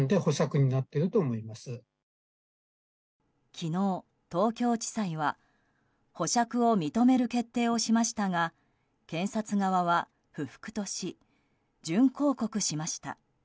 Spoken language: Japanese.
昨日、東京地裁は保釈を認める決定をしましたが検察側は不服とし準抗告しました。